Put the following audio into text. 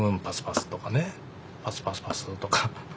「パスパスパス」とか。